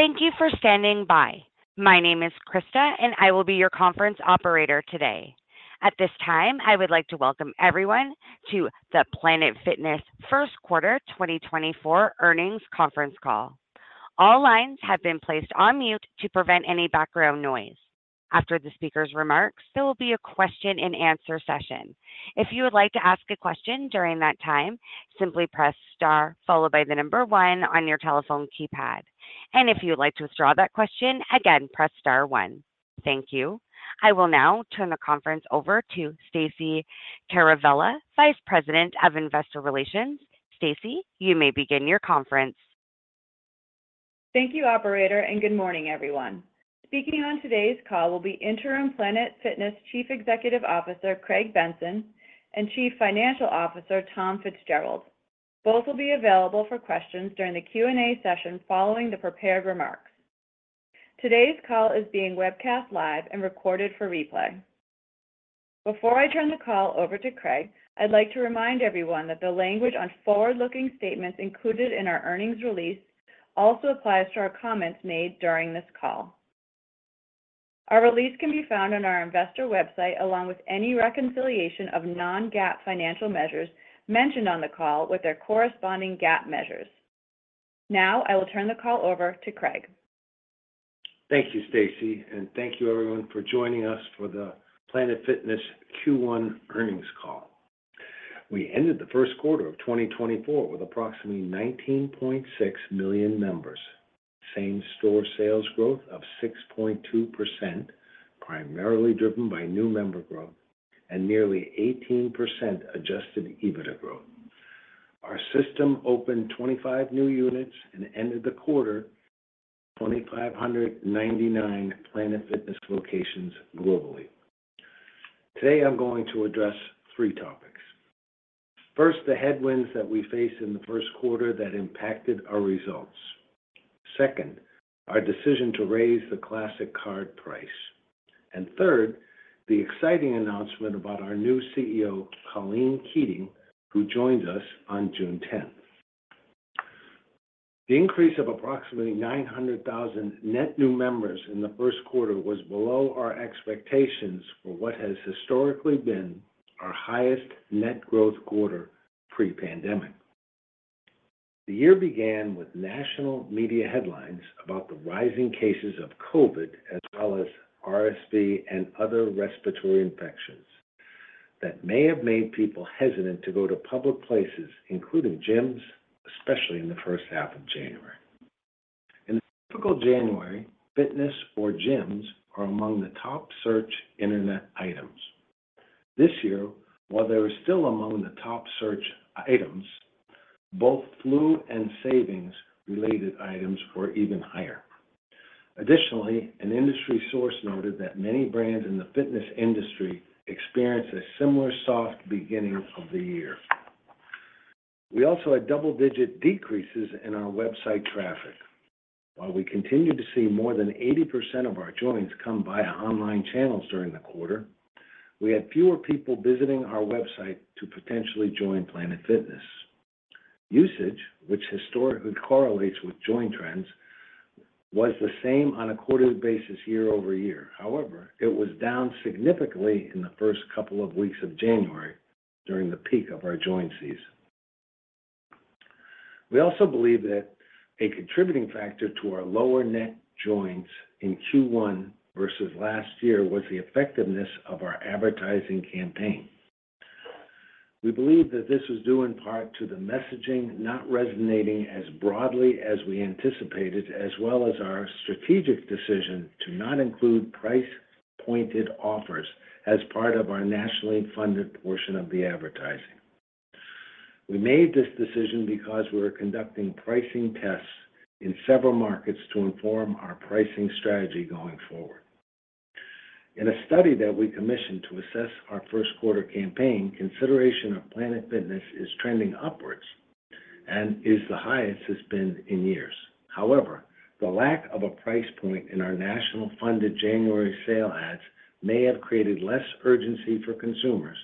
Thank you for standing by. My name is Krista, and I will be your conference operator today. At this time, I would like to welcome everyone to the Planet Fitness First Quarter 2024 Earnings Conference Call. All lines have been placed on mute to prevent any background noise. After the speaker's remarks, there will be a question-and-answer session. If you would like to ask a question during that time, simply press star followed by the number one on your telephone keypad. If you would like to withdraw that question, again, press star one. Thank you. I will now turn the conference over to Stacey Caravella, Vice President of Investor Relations. Stacey, you may begin your conference. Thank you, operator, and good morning, everyone. Speaking on today's call will be Interim Planet Fitness Chief Executive Officer Craig Benson and Chief Financial Officer Tom Fitzgerald. Both will be available for questions during the Q&A session following the prepared remarks. Today's call is being webcast live and recorded for replay. Before I turn the call over to Craig, I'd like to remind everyone that the language on forward-looking statements included in our earnings release also applies to our comments made during this call. Our release can be found on our investor website along with any reconciliation of non-GAAP financial measures mentioned on the call with their corresponding GAAP measures. Now I will turn the call over to Craig. Thank you, Stacey, and thank you, everyone, for joining us for the Planet Fitness Q1 Earnings Call. We ended the first quarter of 2024 with approximately 19.6 million members, same store sales growth of 6.2% primarily driven by new member growth, and nearly 18% adjusted EBITDA growth. Our system opened 25 new units and ended the quarter with 2,599 Planet Fitness locations globally. Today I'm going to address three topics. First, the headwinds that we faced in the first quarter that impacted our results. Second, our decision to raise the Classic Card price. And third, the exciting announcement about our new CEO, Colleen Keating, who joins us on June 10th. The increase of approximately 900,000 net new members in the first quarter was below our expectations for what has historically been our highest net growth quarter pre-pandemic. The year began with national media headlines about the rising cases of COVID as well as RSV and other respiratory infections that may have made people hesitant to go to public places, including gyms, especially in the first half of January. In typical January, fitness or gyms are among the top search internet items. This year, while they were still among the top search items, both flu and savings-related items were even higher. Additionally, an industry source noted that many brands in the fitness industry experienced a similar soft beginning of the year. We also had double-digit decreases in our website traffic. While we continued to see more than 80% of our joins come via online channels during the quarter, we had fewer people visiting our website to potentially join Planet Fitness. Usage, which historically correlates with join trends, was the same on a quarterly basis year-over-year. However, it was down significantly in the first couple of weeks of January during the peak of our join season. We also believe that a contributing factor to our lower net joins in Q1 versus last year was the effectiveness of our advertising campaign. We believe that this was due in part to the messaging not resonating as broadly as we anticipated, as well as our strategic decision to not include price-pointed offers as part of our nationally funded portion of the advertising. We made this decision because we were conducting pricing tests in several markets to inform our pricing strategy going forward. In a study that we commissioned to assess our first quarter campaign, consideration of Planet Fitness is trending upwards and is the highest it's been in years. However, the lack of a price point in our nationally funded January sale ads may have created less urgency for consumers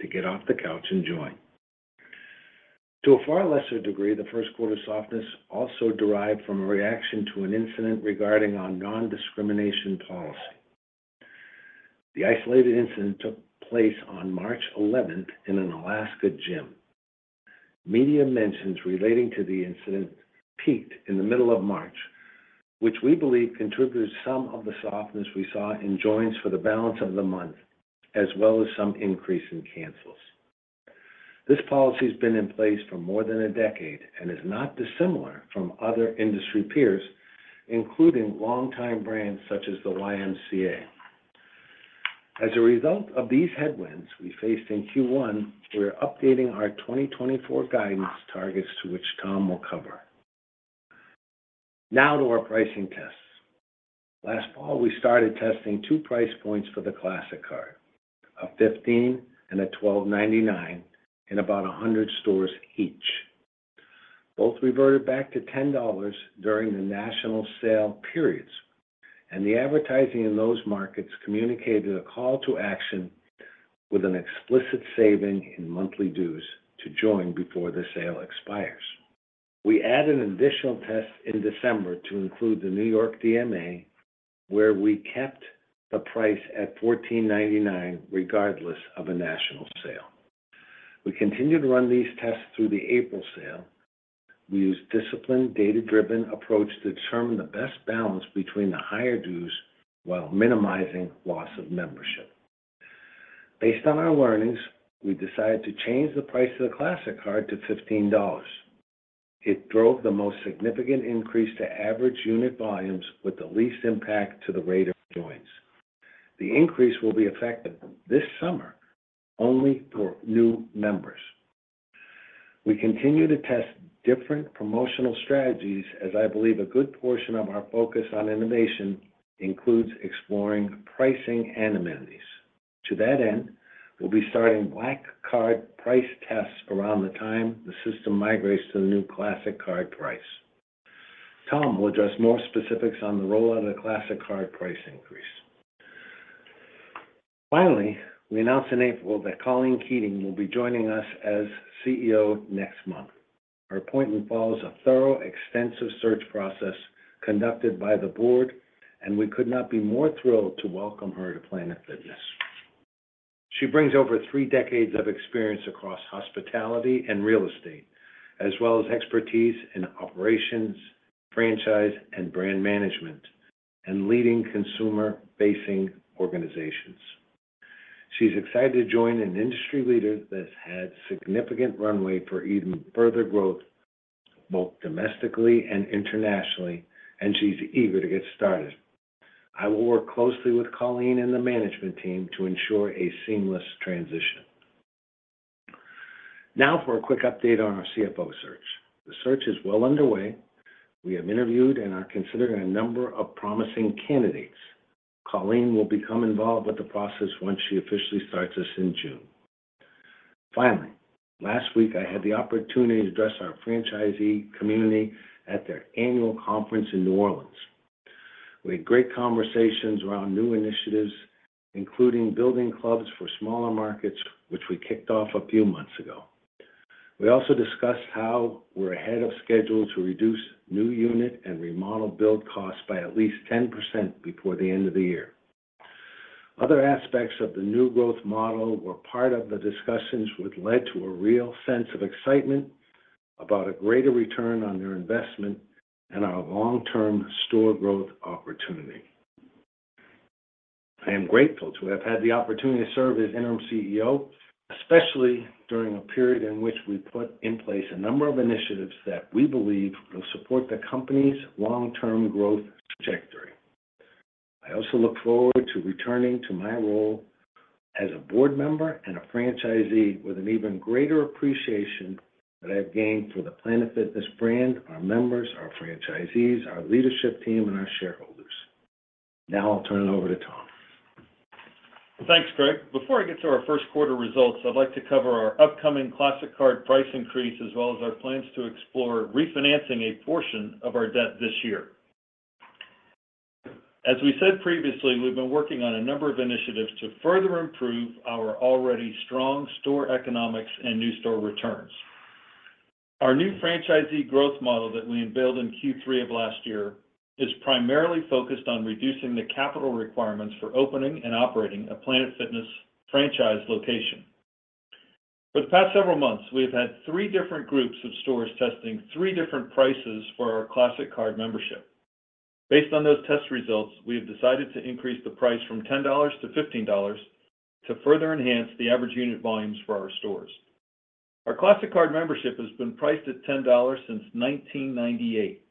to get off the couch and join. To a far lesser degree, the first quarter softness also derived from a reaction to an incident regarding our nondiscrimination policy. The isolated incident took place on March 11th in an Alaska gym. Media mentions relating to the incident peaked in the middle of March, which we believe contributed some of the softness we saw in joins for the balance of the month, as well as some increase in cancels. This policy's been in place for more than a decade and is not dissimilar from other industry peers, including longtime brands such as the YMCA. As a result of these headwinds we faced in Q1, we are updating our 2024 guidance targets to which Tom will cover. Now to our pricing tests. Last fall, we started testing two price points for the Classic Card: a $15 and a $12.99 in about 100 stores each. Both reverted back to $10 during the national sale periods, and the advertising in those markets communicated a call to action with an explicit saving in monthly dues to join before the sale expires. We added an additional test in December to include the New York DMA, where we kept the price at $14.99 regardless of a national sale. We continued to run these tests through the April sale. We used a disciplined, data-driven approach to determine the best balance between the higher dues while minimizing loss of membership. Based on our learnings, we decided to change the price of the Classic Card to $15. It drove the most significant increase to average unit volumes with the least impact to the rate of joins. The increase will be effective this summer only for new members. We continue to test different promotional strategies as I believe a good portion of our focus on innovation includes exploring pricing and amenities. To that end, we'll be starting Black Card price tests around the time the system migrates to the new Classic Card price. Tom will address more specifics on the rollout of the Classic Card price increase. Finally, we announced in April that Colleen Keating will be joining us as CEO next month. Her appointment follows a thorough, extensive search process conducted by the board, and we could not be more thrilled to welcome her to Planet Fitness. She brings over three decades of experience across hospitality and real estate, as well as expertise in operations, franchise, and brand management, and leading consumer-facing organizations. She's excited to join an industry leader that's had significant runway for even further growth both domestically and internationally, and she's eager to get started. I will work closely with Colleen and the management team to ensure a seamless transition. Now for a quick update on our CFO search. The search is well underway. We have interviewed and are considering a number of promising candidates. Colleen will become involved with the process once she officially starts us in June. Finally, last week I had the opportunity to address our franchisee community at their annual conference in New Orleans. We had great conversations around new initiatives, including building clubs for smaller markets, which we kicked off a few months ago. We also discussed how we're ahead of schedule to reduce new unit and remodel build costs by at least 10% before the end of the year. Other aspects of the new growth model were part of the discussions that led to a real sense of excitement about a greater return on their investment and our long-term store growth opportunity. I am grateful to have had the opportunity to serve as interim CEO, especially during a period in which we put in place a number of initiatives that we believe will support the company's long-term growth trajectory. I also look forward to returning to my role as a board member and a franchisee with an even greater appreciation that I've gained for the Planet Fitness brand, our members, our franchisees, our leadership team, and our shareholders. Now I'll turn it over to Tom. Thanks, Craig. Before I get to our first quarter results, I'd like to cover our upcoming Classic Card price increase as well as our plans to explore refinancing a portion of our debt this year. As we said previously, we've been working on a number of initiatives to further improve our already strong store economics and new store returns. Our new franchisee growth model that we unveiled in Q3 of last year is primarily focused on reducing the capital requirements for opening and operating a Planet Fitness franchise location. For the past several months, we have had three different groups of stores testing three different prices for our Classic Card membership. Based on those test results, we have decided to increase the price from $10-$15 to further enhance the average unit volumes for our stores. Our Classic Card membership has been priced at $10 since 1998,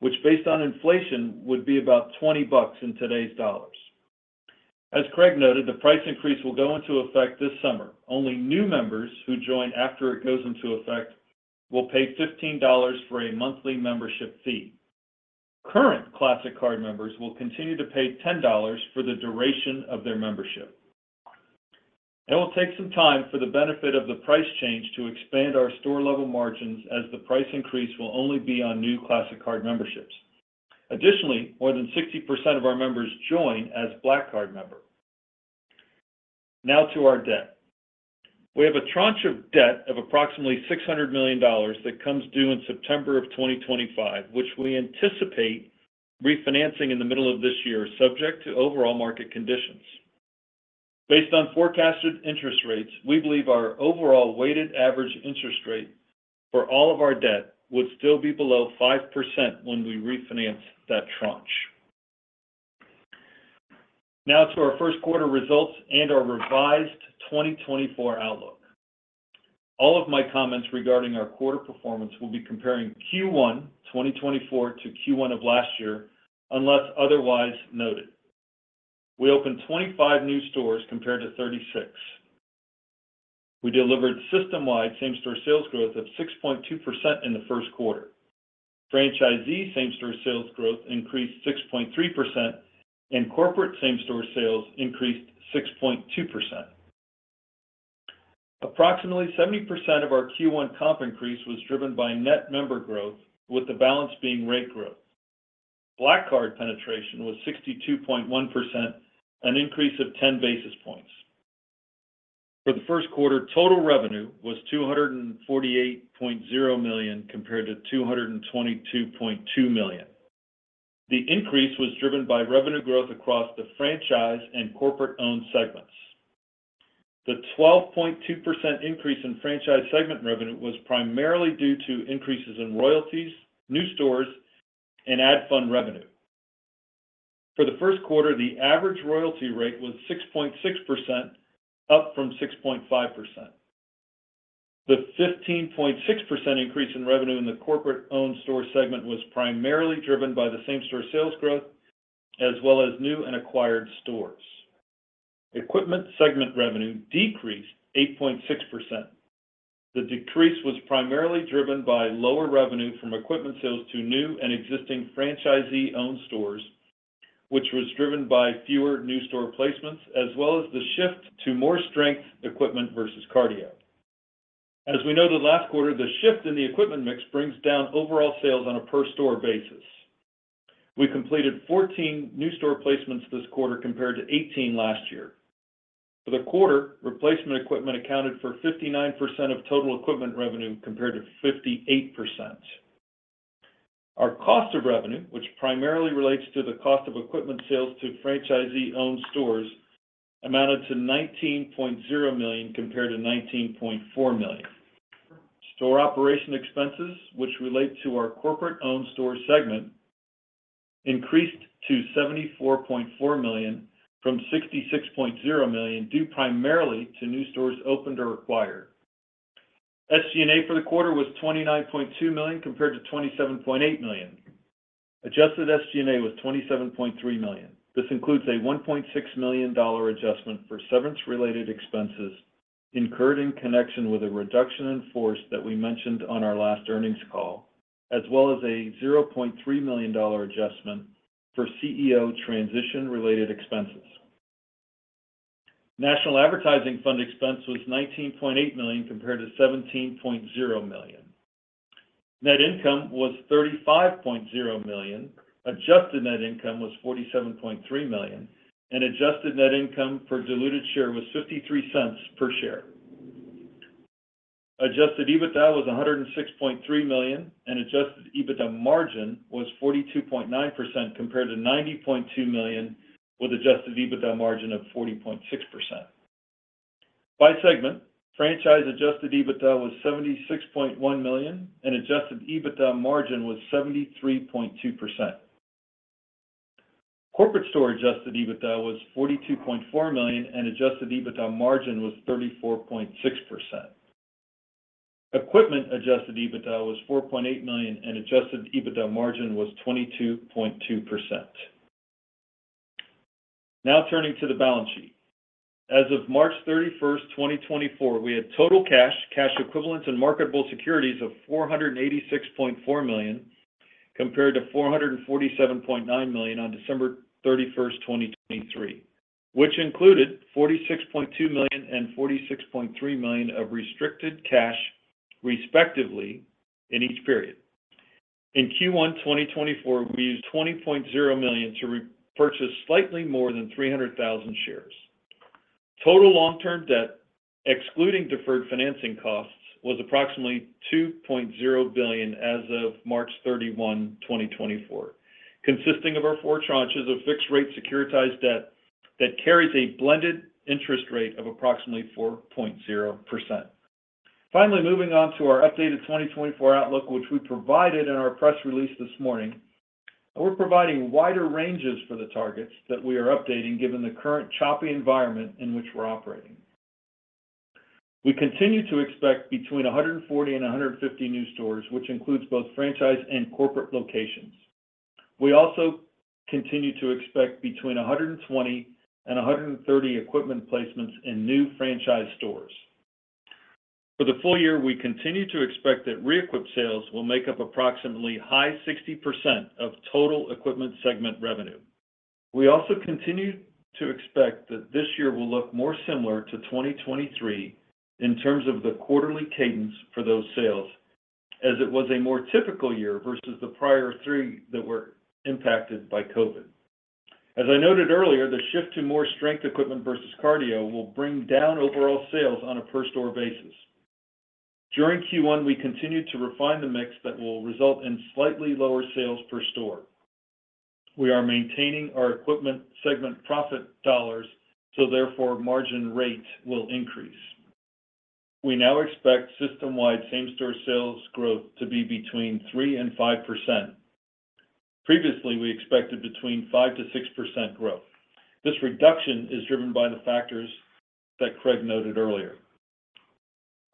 which, based on inflation, would be about $20 in today's dollars. As Craig noted, the price increase will go into effect this summer. Only new members who join after it goes into effect will pay $15 for a monthly membership fee. Current Classic Card members will continue to pay $10 for the duration of their membership. It will take some time for the benefit of the price change to expand our store-level margins as the price increase will only be on new Classic Card memberships. Additionally, more than 60% of our members join as Black Card members. Now to our debt. We have a tranche of debt of approximately $600 million that comes due in September of 2025, which we anticipate refinancing in the middle of this year, subject to overall market conditions. Based on forecasted interest rates, we believe our overall weighted average interest rate for all of our debt would still be below 5% when we refinance that tranche. Now to our first quarter results and our revised 2024 outlook. All of my comments regarding our quarter performance will be comparing Q1 2024 to Q1 of last year unless otherwise noted. We opened 25 new stores compared to 36. We delivered system-wide same-store sales growth of 6.2% in the first quarter. Franchisee same-store sales growth increased 6.3%, and corporate same-store sales increased 6.2%. Approximately 70% of our Q1 comp increase was driven by net member growth, with the balance being rate growth. Black Card penetration was 62.1%, an increase of 10 basis points. For the first quarter, total revenue was $248.0 million compared to $222.2 million. The increase was driven by revenue growth across the franchise and corporate-owned segments. The 12.2% increase in franchise segment revenue was primarily due to increases in royalties, new stores, and ad fund revenue. For the first quarter, the average royalty rate was 6.6%, up from 6.5%. The 15.6% increase in revenue in the corporate-owned store segment was primarily driven by the same-store sales growth as well as new and acquired stores. Equipment segment revenue decreased 8.6%. The decrease was primarily driven by lower revenue from equipment sales to new and existing franchisee-owned stores, which was driven by fewer new store placements as well as the shift to more strength equipment versus cardio. As we know, the last quarter, the shift in the equipment mix brings down overall sales on a per-store basis. We completed 14 new store placements this quarter compared to 18 last year. For the quarter, replacement equipment accounted for 59% of total equipment revenue compared to 58%. Our cost of revenue, which primarily relates to the cost of equipment sales to franchisee-owned stores, amounted to $19.0 million compared to $19.4 million. Store operation expenses, which relate to our corporate-owned store segment, increased to $74.4 million from $66.0 million due primarily to new stores opened or acquired. SG&A for the quarter was $29.2 million compared to $27.8 million. Adjusted SG&A was $27.3 million. This includes a $1.6 million adjustment for severance-related expenses incurred in connection with a reduction in force that we mentioned on our last earnings call, as well as a $0.3 million adjustment for CEO transition-related expenses. National Advertising Fund expense was $19.8 million compared to $17.0 million. Net income was $35.0 million. Adjusted net income was $47.3 million. Adjusted net income per diluted share was $0.53 per share. Adjusted EBITDA was $106.3 million. Adjusted EBITDA margin was 42.9% compared to $90.2 million with adjusted EBITDA margin of 40.6%. By segment, franchise adjusted EBITDA was $76.1 million. Adjusted EBITDA margin was 73.2%. Corporate store adjusted EBITDA was $42.4 million. Adjusted EBITDA margin was 34.6%. Equipment adjusted EBITDA was $4.8 million. Adjusted EBITDA margin was 22.2%. Now turning to the balance sheet. As of March 31st, 2024, we had total cash, cash equivalents, and marketable securities of $486.4 million compared to $447.9 million on December 31st, 2023, which included $46.2 million and $46.3 million of restricted cash, respectively, in each period. In Q1 2024, we used $20.0 million to repurchase slightly more than 300,000 shares. Total long-term debt, excluding deferred financing costs, was approximately $2.0 billion as of March 31, 2024, consisting of our four tranches of fixed-rate securitized debt that carries a blended interest rate of approximately 4.0%. Finally, moving on to our updated 2024 outlook, which we provided in our press release this morning, we're providing wider ranges for the targets that we are updating given the current choppy environment in which we're operating. We continue to expect between 140 and 150 new stores, which includes both franchise and corporate locations. We also continue to expect between 120 and 130 equipment placements in new franchise stores. For the full year, we continue to expect that re-equip sales will make up approximately high 60% of total equipment segment revenue. We also continue to expect that this year will look more similar to 2023 in terms of the quarterly cadence for those sales as it was a more typical year versus the prior three that were impacted by COVID. As I noted earlier, the shift to more strength equipment versus cardio will bring down overall sales on a per-store basis. During Q1, we continue to refine the mix that will result in slightly lower sales per store. We are maintaining our equipment segment profit dollars so, therefore, margin rates will increase. We now expect system-wide same-store sales growth to be between 3% and 5%. Previously, we expected between 5%-6% growth. This reduction is driven by the factors that Craig noted earlier.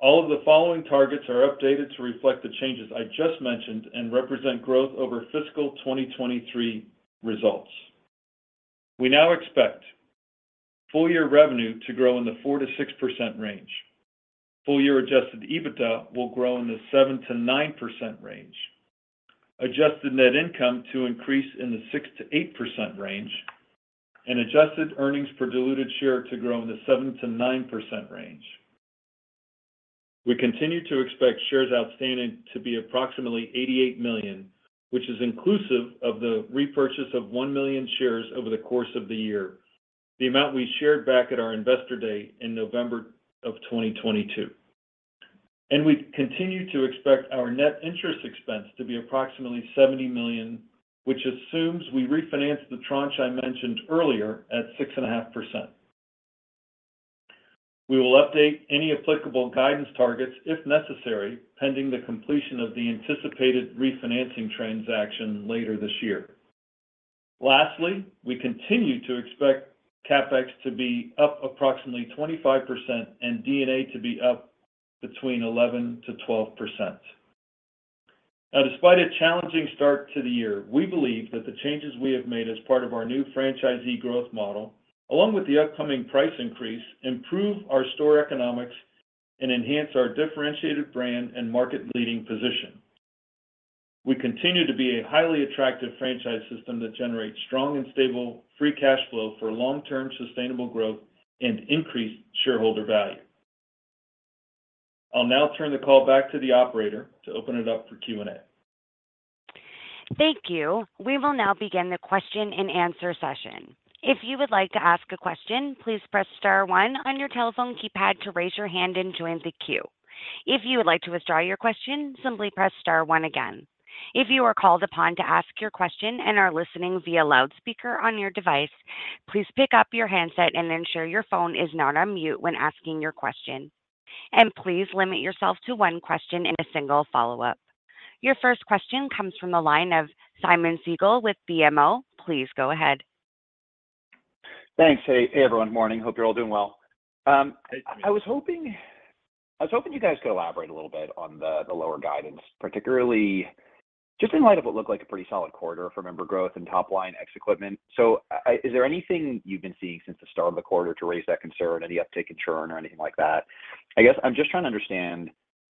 All of the following targets are updated to reflect the changes I just mentioned and represent growth over fiscal 2023 results. We now expect full-year revenue to grow in the 4%-6% range. Full-year adjusted EBITDA will grow in the 7%-9% range. Adjusted net income to increase in the 6%-8% range. Adjusted earnings per diluted share to grow in the 7%-9% range. We continue to expect shares outstanding to be approximately 88 million, which is inclusive of the repurchase of 1 million shares over the course of the year, the amount we shared back at our investor day in November of 2022. We continue to expect our net interest expense to be approximately $70 million, which assumes we refinance the tranche I mentioned earlier at 6.5%. We will update any applicable guidance targets if necessary pending the completion of the anticipated refinancing transaction later this year. Lastly, we continue to expect CapEx to be up approximately 25% and D&A to be up between 11%-12%. Now, despite a challenging start to the year, we believe that the changes we have made as part of our new franchisee growth model, along with the upcoming price increase, improve our store economics and enhance our differentiated brand and market-leading position. We continue to be a highly attractive franchise system that generates strong and stable free cash flow for long-term sustainable growth and increased shareholder value. I'll now turn the call back to the operator to open it up for Q&A. Thank you. We will now begin the question-and-answer session. If you would like to ask a question, please press star one on your telephone keypad to raise your hand and join the queue. If you would like to withdraw your question, simply press star one again. If you are called upon to ask your question and are listening via loudspeaker on your device, please pick up your handset and ensure your phone is not on mute when asking your question. And please limit yourself to one question and a single follow-up. Your first question comes from the line of Simeon Siegel with BMO. Please go ahead. Thanks. Hey, everyone. Morning. Hope you're all doing well. I was hoping you guys could elaborate a little bit on the lower guidance, particularly just in light of what looked like a pretty solid quarter for member growth and top-line ex-equipment. So is there anything you've been seeing since the start of the quarter to raise that concern, any uptick in churn or anything like that? I guess I'm just trying to understand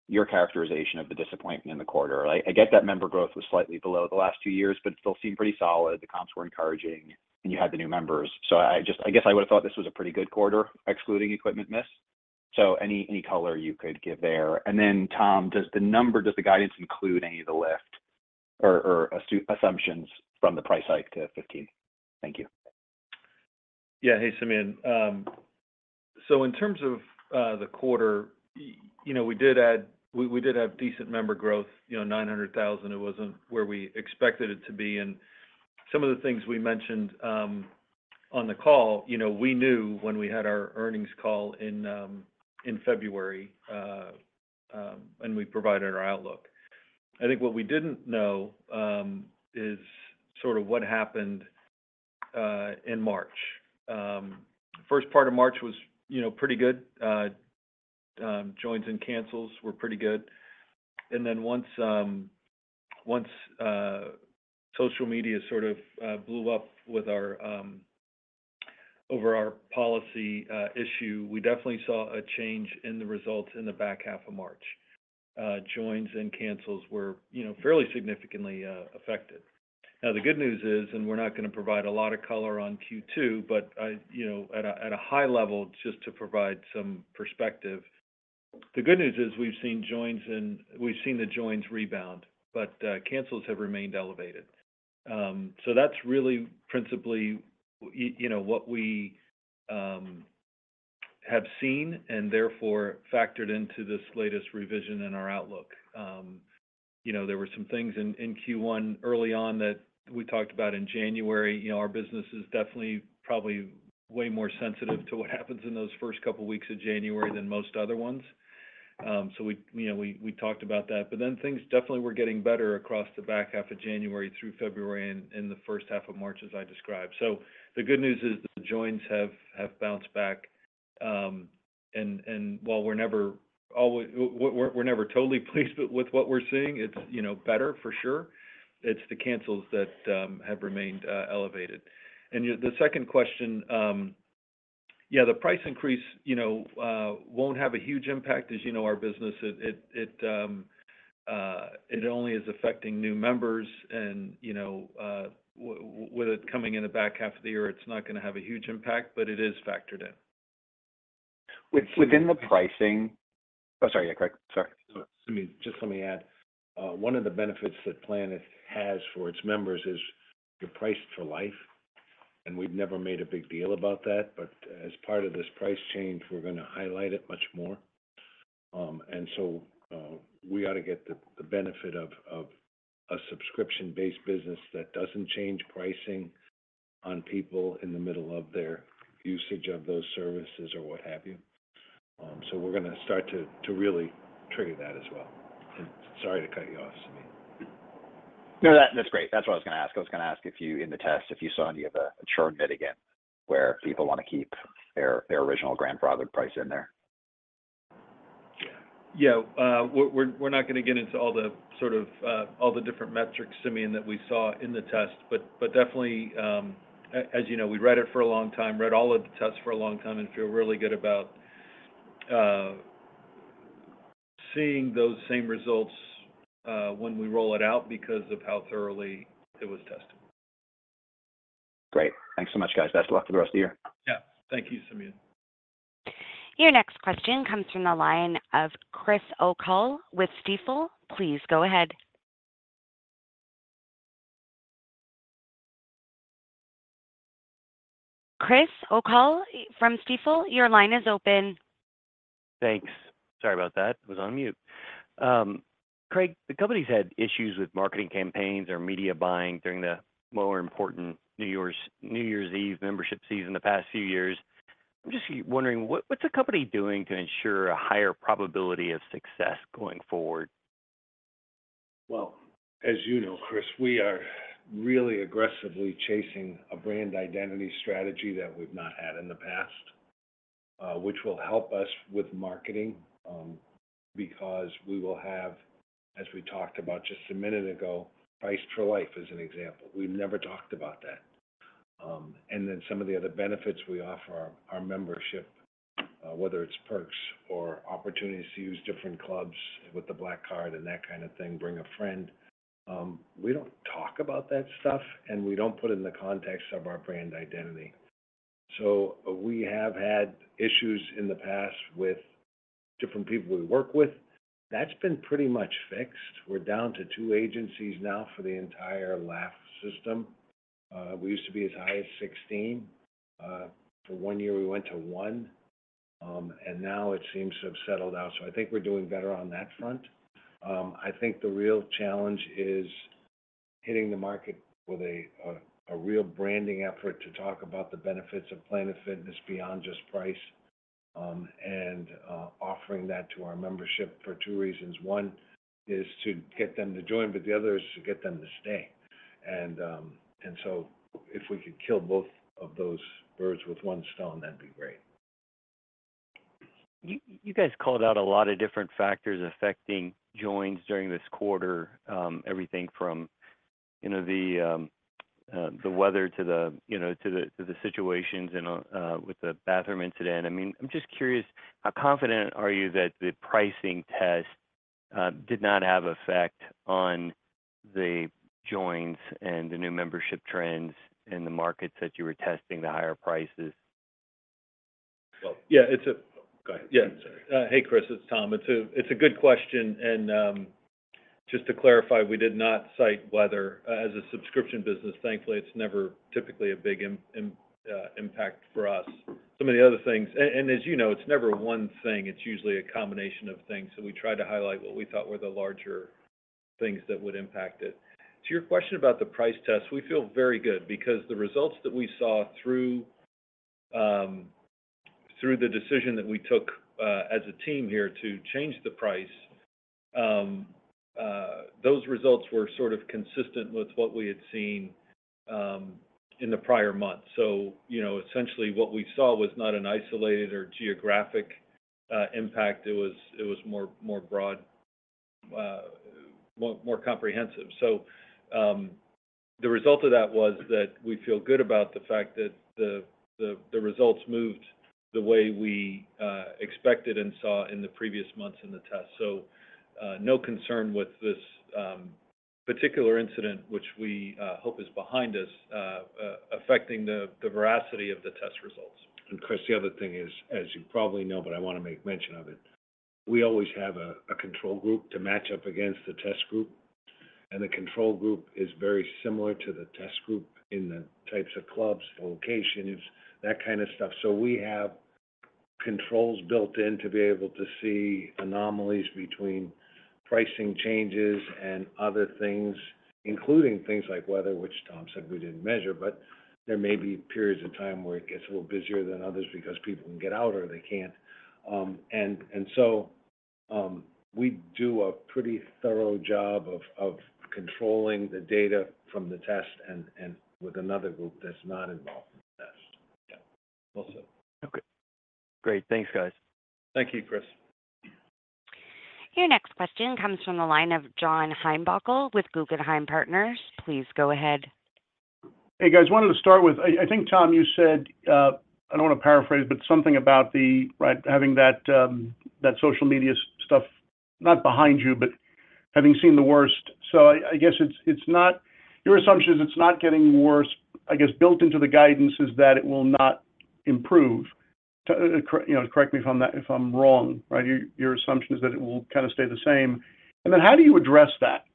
your characterization of the disappointment in the quarter. I get that member growth was slightly below the last two years, but it still seemed pretty solid. The comps were encouraging, and you had the new members. So I guess I would have thought this was a pretty good quarter excluding equipment miss. So any color you could give there. And then, Tom, does the guidance include any of the lift or assumptions from the price hike to $15? Thank you. Yeah. Hey, Simeon. So in terms of the quarter, we did have decent member growth, 900,000. It wasn't where we expected it to be. And some of the things we mentioned on the call, we knew when we had our earnings call in February, and we provided our outlook. I think what we didn't know is sort of what happened in March. First part of March was pretty good. Joins and cancels were pretty good. And then once social media sort of blew up over our policy issue, we definitely saw a change in the results in the back half of March. Joins and cancels were fairly significantly affected. Now, the good news is, and we're not going to provide a lot of color on Q2, but at a high level, just to provide some perspective, the good news is we've seen joins and we've seen the joins rebound, but cancels have remained elevated. So that's really principally what we have seen and, therefore, factored into this latest revision in our outlook. There were some things in Q1 early on that we talked about in January. Our business is definitely probably way more sensitive to what happens in those first couple of weeks of January than most other ones. So we talked about that. But then things definitely were getting better across the back half of January through February and the first half of March as I described. So the good news is the joins have bounced back. And while we're never totally pleased with what we're seeing, it's better, for sure. It's the cancels that have remained elevated. And the second question, yeah, the price increase won't have a huge impact. As you know, our business, it only is affecting new members. And with it coming in the back half of the year, it's not going to have a huge impact, but it is factored in. Within the pricing, sorry. Yeah, Craig. Sorry. Simeon, just let me add. One of the benefits that Planet has for its members is you're priced for life. And we've never made a big deal about that. But as part of this price change, we're going to highlight it much more. And so we ought to get the benefit of a subscription-based business that doesn't change pricing on people in the middle of their usage of those services or what have you. So we're going to start to really trigger that as well. And sorry to cut you off, Simeon. No, that's great. That's what I was going to ask. I was going to ask if you, in the test, if you saw any of the churn hit again where people want to keep their original grandfathered price in there? Yeah. Yeah. We're not going to get into all the sort of all the different metrics, Simeon, that we saw in the test. But definitely, as you know, we read it for a long time, read all of the tests for a long time, and feel really good about seeing those same results when we roll it out because of how thoroughly it was tested. Great. Thanks so much, guys. Best luck for the rest of the year. Yeah. Thank you, Simeon. Your next question comes from the line of Chris O'Cull with Stifel. Please go ahead. Chris O'Cull from Stifel, your line is open. Thanks. Sorry about that. I was on mute. Craig, the company's had issues with marketing campaigns or media buying during the more important New Year's Eve membership season the past few years. I'm just wondering, what's the company doing to ensure a higher probability of success going forward? Well, as you know, Chris, we are really aggressively chasing a brand identity strategy that we've not had in the past, which will help us with marketing because we will have, as we talked about just a minute ago, price for life as an example. We've never talked about that. And then some of the other benefits we offer, our membership, whether it's perks or opportunities to use different clubs with the Black Card and that kind of thing, bring a friend, we don't talk about that stuff, and we don't put it in the context of our brand identity. So we have had issues in the past with different people we work with. That's been pretty much fixed. We're down to two agencies now for the entire LAF system. We used to be as high as 16. For one year, we went to one. Now it seems to have settled out. So I think we're doing better on that front. I think the real challenge is hitting the market with a real branding effort to talk about the benefits of Planet Fitness beyond just price and offering that to our membership for two reasons. One is to get them to join, but the other is to get them to stay. And so if we could kill both of those birds with one stone, that'd be great. You guys called out a lot of different factors affecting joins during this quarter, everything from the weather to the situations with the bathroom incident. I mean, I'm just curious, how confident are you that the pricing test did not have effect on the joins and the new membership trends in the markets that you were testing, the higher prices? Well, yeah. Go ahead. Yeah. Hey, Chris. It's Tom. It's a good question. And just to clarify, we did not cite weather. As a subscription business, thankfully, it's never typically a big impact for us. Some of the other things and as you know, it's never one thing. It's usually a combination of things. So we try to highlight what we thought were the larger things that would impact it. To your question about the price test, we feel very good because the results that we saw through the decision that we took as a team here to change the price, those results were sort of consistent with what we had seen in the prior month. So essentially, what we saw was not an isolated or geographic impact. It was more broad, more comprehensive. The result of that was that we feel good about the fact that the results moved the way we expected and saw in the previous months in the test. No concern with this particular incident, which we hope is behind us, affecting the veracity of the test results. Chris, the other thing is, as you probably know, but I want to make mention of it, we always have a control group to match up against the test group. The control group is very similar to the test group in the types of clubs, locations, that kind of stuff. We have controls built in to be able to see anomalies between pricing changes and other things, including things like weather, which Tom said we didn't measure. There may be periods of time where it gets a little busier than others because people can get out or they can't. We do a pretty thorough job of controlling the data from the test and with another group that's not involved in the test. Yeah. All set. Okay. Great. Thanks, guys. Thank you, Chris. Your next question comes from the line of John Heinbockel with Guggenheim Securities. Please go ahead. Hey, guys. Wanted to start with I think, Tom, you said I don't want to paraphrase, but something about having that social media stuff not behind you, but having seen the worst. So I guess it's not your assumption is it's not getting worse. I guess built into the guidance is that it will not improve. Correct me if I'm wrong, right? Your assumption is that it will kind of stay the same. And then how do you address that,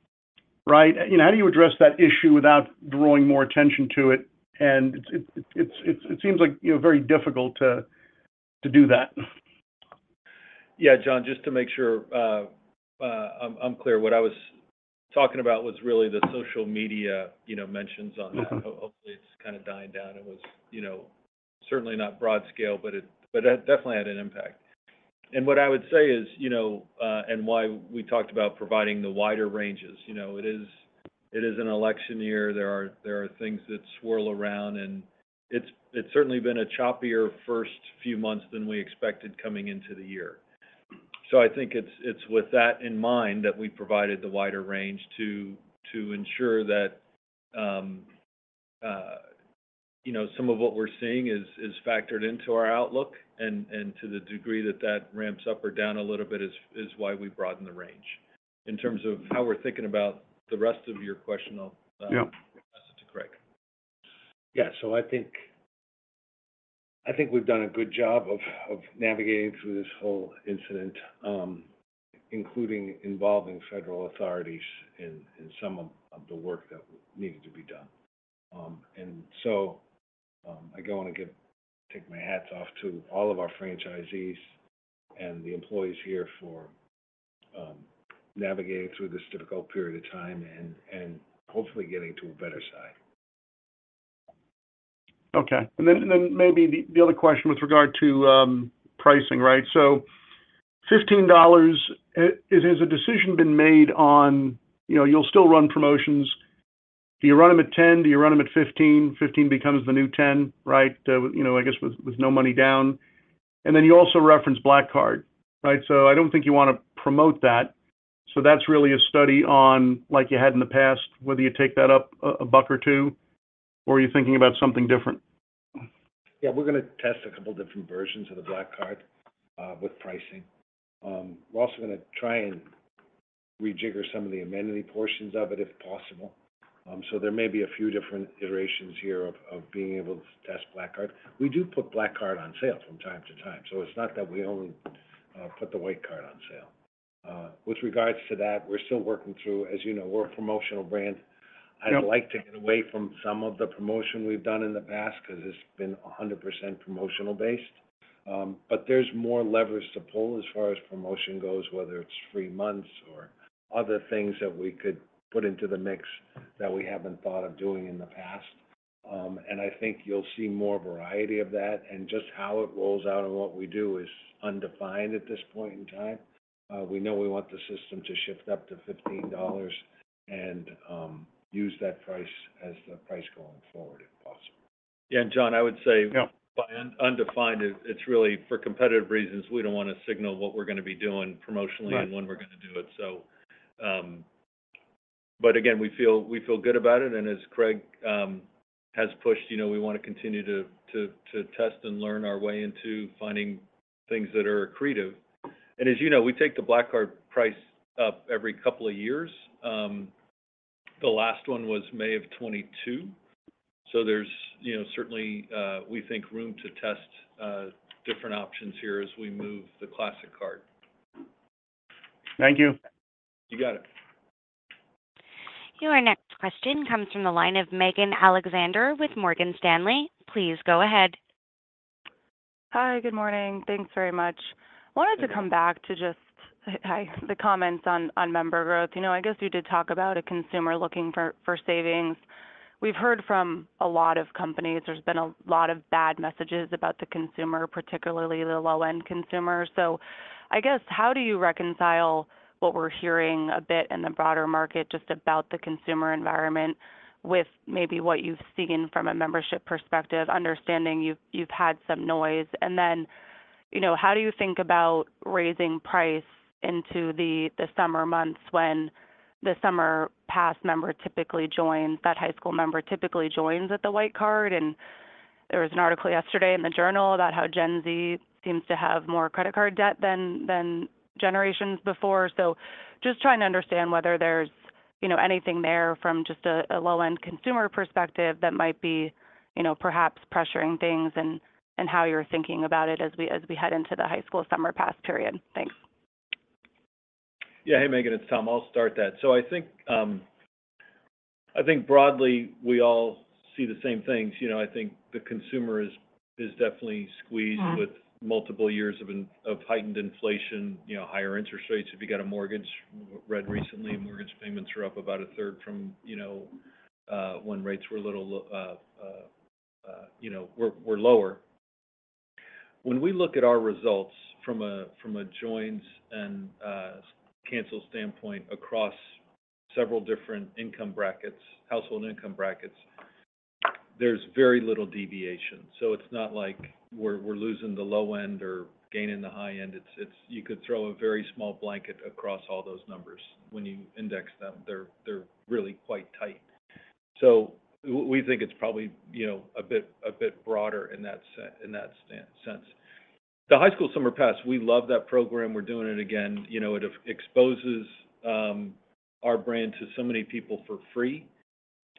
right? How do you address that issue without drawing more attention to it? And it seems very difficult to do that. Yeah, John, just to make sure I'm clear, what I was talking about was really the social media mentions on that. Hopefully, it's kind of dying down. It was certainly not broad-scale, but it definitely had an impact. And what I would say is, and why we talked about providing the wider ranges. It is an election year. There are things that swirl around. And it's certainly been a choppier first few months than we expected coming into the year. So I think it's with that in mind that we provided the wider range to ensure that some of what we're seeing is factored into our outlook. And to the degree that that ramps up or down a little bit is why we broaden the range. In terms of how we're thinking about the rest of your question, I'll pass it to Craig. Yeah. So I think we've done a good job of navigating through this whole incident, including involving federal authorities in some of the work that needed to be done. And so I just want to take my hat off to all of our franchisees and the employees here for navigating through this difficult period of time and hopefully getting to a better side. Okay. And then maybe the other question with regard to pricing, right? So $15, has a decision been made on you'll still run promotions. Do you run them at $10? Do you run them at $15? $15 becomes the new $10, right, I guess, with no money down. And then you also referenced Black Card, right? So I don't think you want to promote that. So that's really a study on, like you had in the past, whether you take that up a buck or two, or are you thinking about something different? Yeah. We're going to test a couple of different versions of the Black Card with pricing. We're also going to try and rejigger some of the amenity portions of it if possible. So there may be a few different iterations here of being able to test Black Card. We do put Black Card on sale from time to time. So it's not that we only put the White Card on sale. With regards to that, we're still working through as you know, we're a promotional brand. I'd like to get away from some of the promotion we've done in the past because it's been 100% promotional-based. But there's more levers to pull as far as promotion goes, whether it's free months or other things that we could put into the mix that we haven't thought of doing in the past. And I think you'll see more variety of that. Just how it rolls out and what we do is undefined at this point in time. We know we want the system to shift up to $15 and use that price as the price going forward if possible. Yeah. And John, I would say by undefined, it's really for competitive reasons. We don't want to signal what we're going to be doing promotionally and when we're going to do it, so. But again, we feel good about it. And as Craig has pushed, we want to continue to test and learn our way into finding things that are accretive. And as you know, we take the Black Card price up every couple of years. The last one was May of 2022. So there's certainly, we think, room to test different options here as we move the Classic Card. Thank you. You got it. Your next question comes from the line of Megan Alexander with Morgan Stanley. Please go ahead. Hi. Good morning. Thanks very much. Wanted to come back to just the comments on member growth. I guess you did talk about a consumer looking for savings. We've heard from a lot of companies. There's been a lot of bad messages about the consumer, particularly the low-end consumer. So I guess, how do you reconcile what we're hearing a bit in the broader market just about the consumer environment with maybe what you've seen from a membership perspective, understanding you've had some noise? And then how do you think about raising price into the summer months when the summer pass member typically joins that high school member typically joins at the White Card? And there was an article yesterday in the Journal about how Gen Z seems to have more credit card debt than generations before. So just trying to understand whether there's anything there from just a low-end consumer perspective that might be perhaps pressuring things and how you're thinking about it as we head into the High School Summer Pass period? Thanks. Yeah. Hey, Megan. It's Tom. I'll start that. So I think broadly, we all see the same things. I think the consumer is definitely squeezed with multiple years of heightened inflation, higher interest rates. If you got a mortgage, read recently, mortgage payments are up about a third from when rates were a little lower. When we look at our results from a joins and cancels standpoint across several different income brackets, household income brackets, there's very little deviation. So it's not like we're losing the low end or gaining the high end. You could throw a very small blanket across all those numbers when you index them. They're really quite tight. So we think it's probably a bit broader in that sense. The High School Summer Pass, we love that program. We're doing it again. It exposes our brand to so many people for free.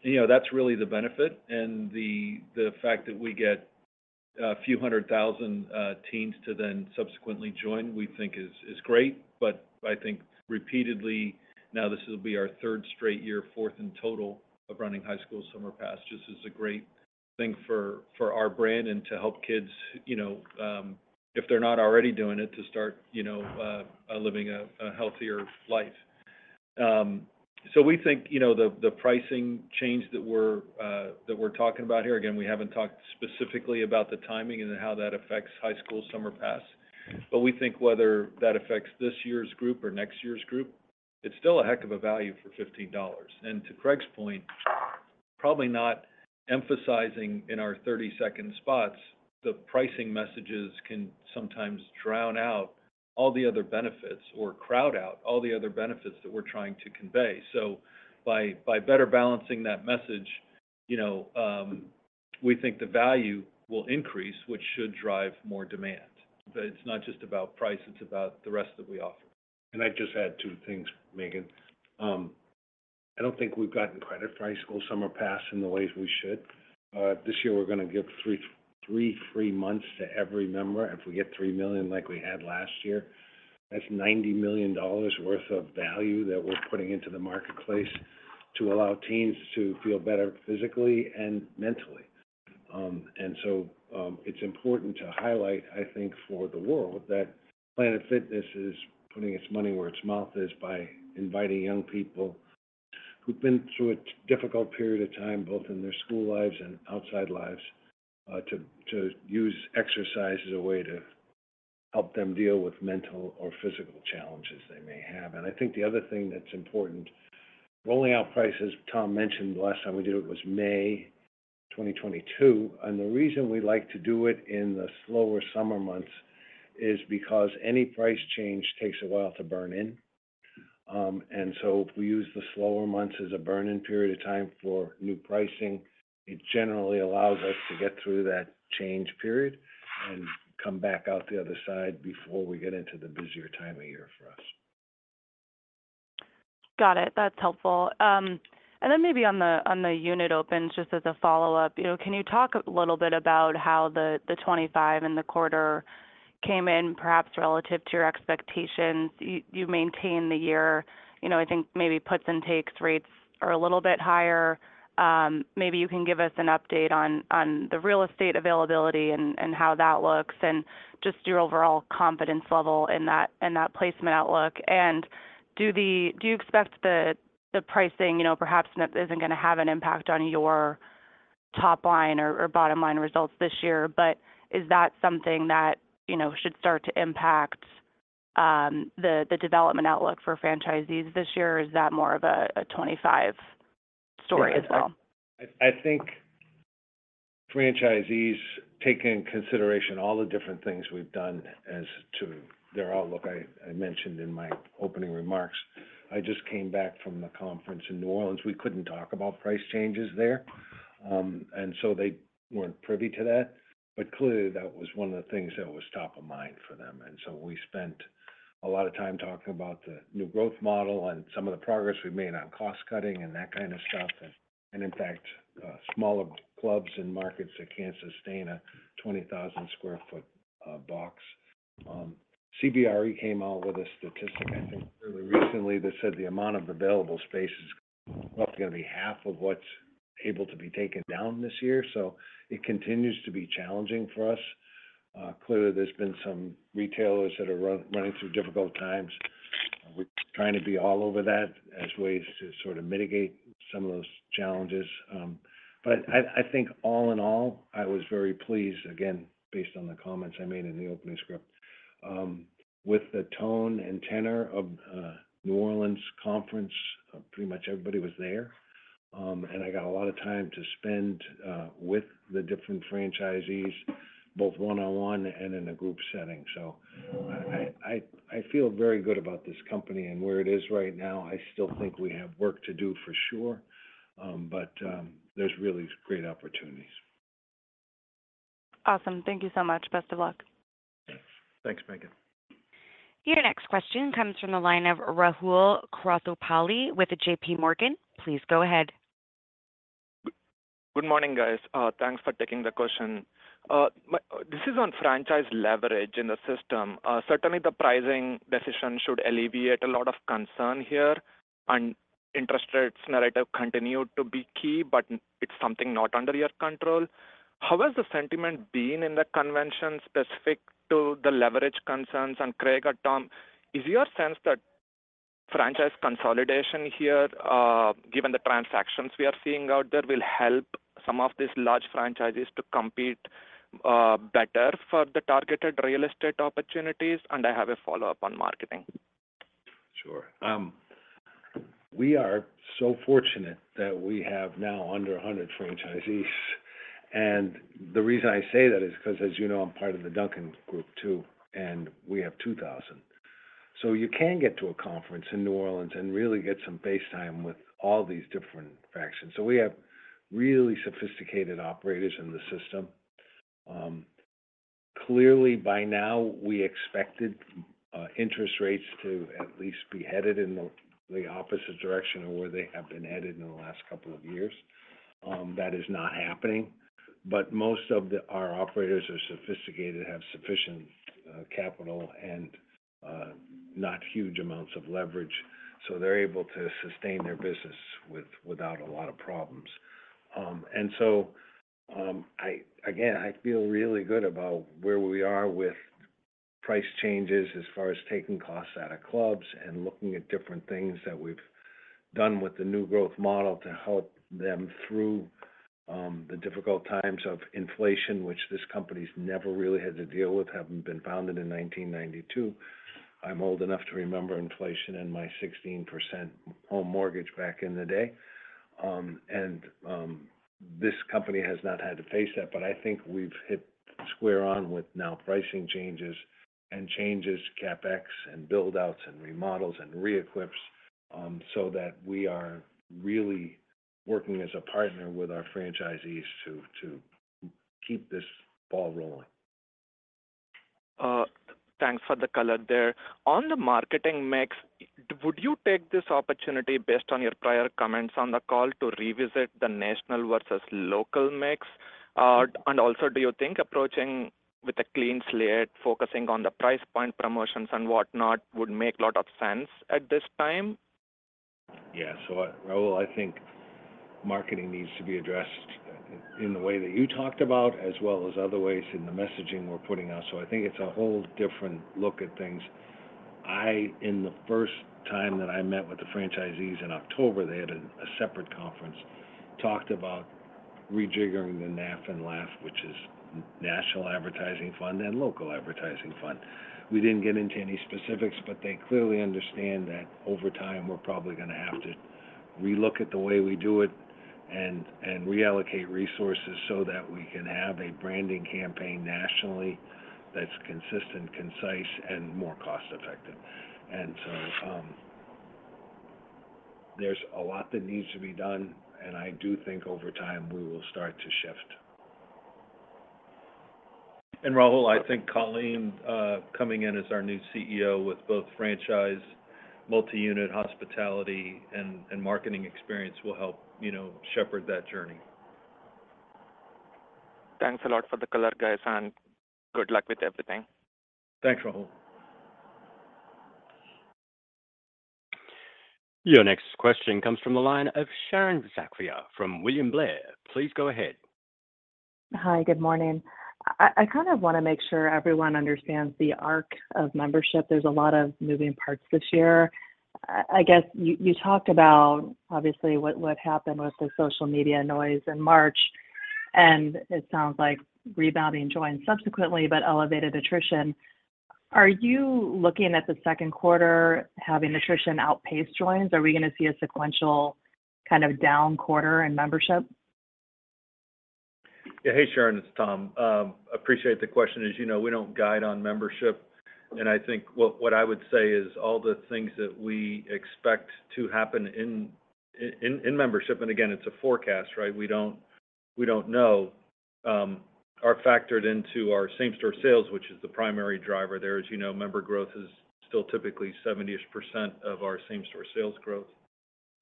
That's really the benefit. The fact that we get a few hundred thousand teens to then subsequently join, we think, is great. I think repeatedly, now this will be our third straight year, fourth in total of running High School Summer Pass, just is a great thing for our brand and to help kids, if they're not already doing it, to start living a healthier life. We think the pricing change that we're talking about here again, we haven't talked specifically about the timing and how that affects High School Summer Pass. We think whether that affects this year's group or next year's group, it's still a heck of a value for $15. To Craig's point, probably not emphasizing in our 30-second spots, the pricing messages can sometimes drown out all the other benefits or crowd out all the other benefits that we're trying to convey. By better balancing that message, we think the value will increase, which should drive more demand. It's not just about price. It's about the rest that we offer. And I'd just add two things, Megan. I don't think we've gotten credit for High School Summer Pass in the ways we should. This year, we're going to give three free months to every member. If we get 3 million like we had last year, that's $90 million worth of value that we're putting into the marketplace to allow teens to feel better physically and mentally. And so it's important to highlight, I think, for the world that Planet Fitness is putting its money where its mouth is by inviting young people who've been through a difficult period of time, both in their school lives and outside lives, to use exercise as a way to help them deal with mental or physical challenges they may have. And I think the other thing that's important rolling out prices, Tom mentioned the last time we did it was May 2022. The reason we like to do it in the slower summer months is because any price change takes a while to burn in. And so if we use the slower months as a burn-in period of time for new pricing, it generally allows us to get through that change period and come back out the other side before we get into the busier time of year for us. Got it. That's helpful. And then maybe on the unit opens, just as a follow-up, can you talk a little bit about how the 2025 and the quarter came in, perhaps relative to your expectations? You maintain the year. I think maybe puts and takes rates are a little bit higher. Maybe you can give us an update on the real estate availability and how that looks and just your overall confidence level in that placement outlook? And do you expect the pricing perhaps isn't going to have an impact on your top line or bottom line results this year, but is that something that should start to impact the development outlook for franchisees this year, or is that more of a 2025 story as well? I think franchisees, taking into consideration all the different things we've done as to their outlook, I mentioned in my opening remarks. I just came back from the conference in New Orleans. We couldn't talk about price changes there. And so they weren't privy to that. But clearly, that was one of the things that was top of mind for them. And so we spent a lot of time talking about the new growth model and some of the progress we made on cost-cutting and that kind of stuff. And in fact, smaller clubs and markets that can't sustain a 20,000-square-foot box. CBRE came out with a statistic, I think, fairly recently that said the amount of available space is roughly going to be half of what's able to be taken down this year. So it continues to be challenging for us. Clearly, there's been some retailers that are running through difficult times. We're trying to be all over that as ways to sort of mitigate some of those challenges. But I think all in all, I was very pleased, again, based on the comments I made in the opening script, with the tone and tenor of New Orleans conference. Pretty much everybody was there. And I got a lot of time to spend with the different franchisees, both one-on-one and in a group setting. So I feel very good about this company. And where it is right now, I still think we have work to do for sure. But there's really great opportunities. Awesome. Thank you so much. Best of luck. Thanks. Thanks, Megan. Your next question comes from the line of Rahul Krotthapalli with JPMorgan. Please go ahead. Good morning, guys. Thanks for taking the question. This is on franchise leverage in the system. Certainly, the pricing decision should alleviate a lot of concern here. And interest rates narrative continue to be key, but it's something not under your control. How has the sentiment been in the convention specific to the leverage concerns? And Craig or Tom, is your sense that franchise consolidation here, given the transactions we are seeing out there, will help some of these large franchisees to compete better for the targeted real estate opportunities? And I have a follow-up on marketing. Sure. We are so fortunate that we have now under 100 franchisees. The reason I say that is because, as you know, I'm part of the Dunkin' Group too, and we have 2,000. You can get to a conference in New Orleans and really get some face time with all these different factions. We have really sophisticated operators in the system. Clearly, by now, we expected interest rates to at least be headed in the opposite direction of where they have been headed in the last couple of years. That is not happening. Most of our operators are sophisticated, have sufficient capital, and not huge amounts of leverage. They're able to sustain their business without a lot of problems. And so again, I feel really good about where we are with price changes as far as taking costs out of clubs and looking at different things that we've done with the new growth model to help them through the difficult times of inflation, which this company's never really had to deal with, having been founded in 1992. I'm old enough to remember inflation and my 16% home mortgage back in the day. And this company has not had to face that. But I think we've hit square on with now pricing changes and changes, CapEx, and buildouts and remodels and re-equips so that we are really working as a partner with our franchisees to keep this ball rolling. Thanks for the color there. On the marketing mix, would you take this opportunity, based on your prior comments on the call, to revisit the national versus local mix? Also, do you think approaching with a clean slate, focusing on the price point promotions and whatnot, would make a lot of sense at this time? Yeah. So Rahul, I think marketing needs to be addressed in the way that you talked about as well as other ways in the messaging we're putting out. So I think it's a whole different look at things. In the first time that I met with the franchisees in October, they had a separate conference, talked about rejiggering the NAF and LAF, which is National Advertising Fund and Local Advertising Fund. We didn't get into any specifics, but they clearly understand that over time, we're probably going to have to relook at the way we do it and reallocate resources so that we can have a branding campaign nationally that's consistent, concise, and more cost-effective. And so there's a lot that needs to be done. And I do think over time, we will start to shift. Rahul, I think Colleen coming in as our new CEO with both franchise, multi-unit hospitality, and marketing experience will help shepherd that journey. Thanks a lot for the color, guys. Good luck with everything. Thanks, Rahul. Your next question comes from the line of Sharon Zackfia from William Blair. Please go ahead. Hi. Good morning. I kind of want to make sure everyone understands the arc of membership. There's a lot of moving parts this year. I guess you talked about, obviously, what happened with the social media noise in March. And it sounds like rebounding joins subsequently but elevated attrition. Are you looking at the second quarter having attrition outpace joins? Are we going to see a sequential kind of down quarter in membership? Yeah. Hey, Sharon. It's Tom. Appreciate the question. As you know, we don't guide on membership. I think what I would say is all the things that we expect to happen in membership and again, it's a forecast, right? We don't know. Are factored into our same-store sales, which is the primary driver there. As you know, member growth is still typically 70-ish% of our same-store sales growth.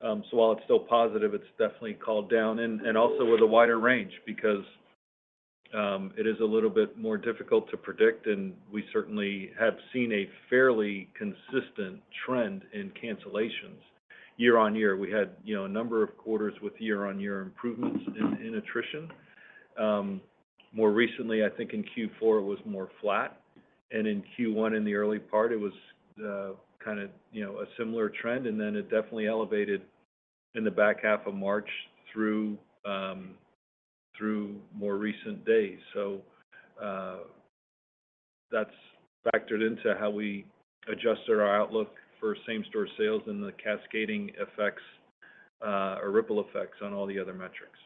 So while it's still positive, it's definitely calmed down and also with a wider range because it is a little bit more difficult to predict. We certainly have seen a fairly consistent trend in cancellations year-on-year. We had a number of quarters with year-on-year improvements in attrition. More recently, I think in Q4, it was more flat. In Q1, in the early part, it was kind of a similar trend. Then it definitely elevated in the back half of March through more recent days. That's factored into how we adjusted our outlook for same-store sales and the cascading effects or ripple effects on all the other metrics.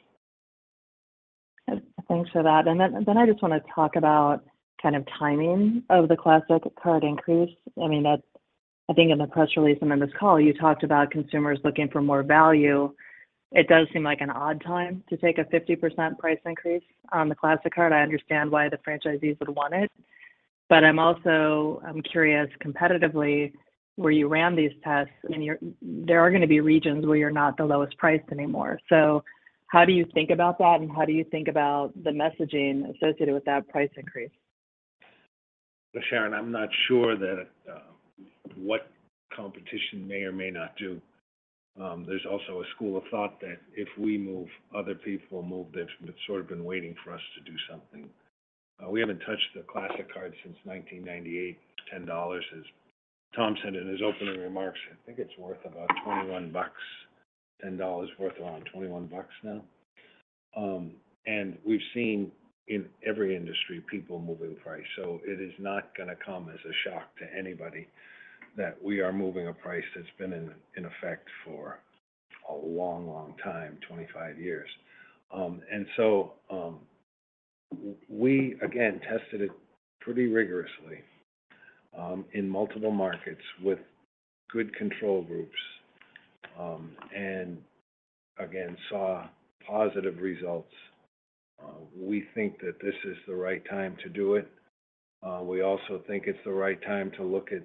Thanks for that. Then I just want to talk about kind of timing of the Classic Card increase. I mean, I think in the press release and in this call, you talked about consumers looking for more value. It does seem like an odd time to take a 50% price increase on the Classic Card. I understand why the franchisees would want it. But I'm curious, competitively, where you ran these tests, I mean, there are going to be regions where you're not the lowest price anymore. So how do you think about that? And how do you think about the messaging associated with that price increase? Well, Sharon, I'm not sure what competition may or may not do. There's also a school of thought that if we move, other people will move that's sort of been waiting for us to do something. We haven't touched the Classic Card since 1998. $10, as Tom said in his opening remarks, I think it's worth about $21. $10 worth around $21 now. And we've seen in every industry people moving price. So it is not going to come as a shock to anybody that we are moving a price that's been in effect for a long, long time, 25 years. And so we, again, tested it pretty rigorously in multiple markets with good control groups and, again, saw positive results. We think that this is the right time to do it. We also think it's the right time to look at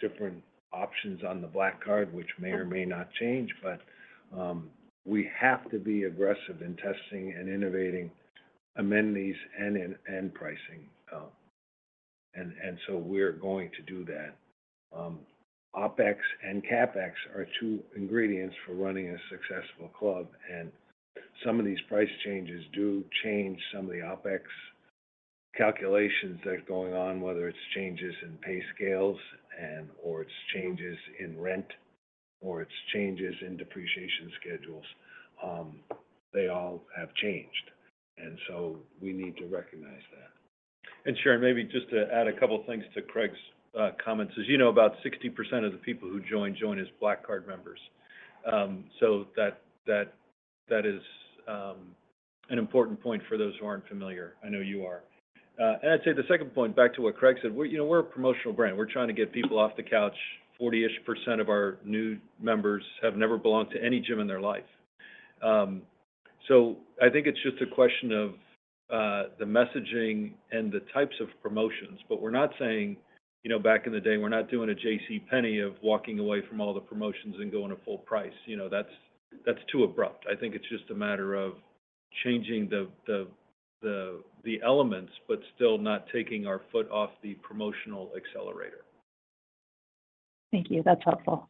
different options on the Black Card, which may or may not change. But we have to be aggressive in testing and innovating amenities and pricing. And so we're going to do that. OpEx and CapEx are two ingredients for running a successful club. And some of these price changes do change some of the OpEx calculations that are going on, whether it's changes in pay scales or it's changes in rent or it's changes in depreciation schedules. They all have changed. And so we need to recognize that. Sharon, maybe just to add a couple of things to Craig's comments. As you know, about 60% of the people who join join as Black Card members. So that is an important point for those who aren't familiar. I know you are. I'd say the second point, back to what Craig said, we're a promotional brand. We're trying to get people off the couch. 40-ish% of our new members have never belonged to any gym in their life. So I think it's just a question of the messaging and the types of promotions. We're not saying back in the day, we're not doing a J.C. Penney of walking away from all the promotions and going to full price. That's too abrupt. I think it's just a matter of changing the elements but still not taking our foot off the promotional accelerator. Thank you. That's helpful.